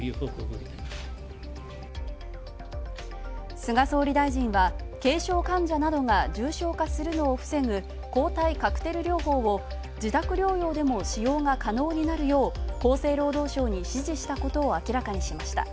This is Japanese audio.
菅総理大臣は、軽症患者などが重症化するのを防ぐ抗体カクテル療法を自宅療養でも使用が可能になるよう厚生労働省に指示した事を明らかにしました。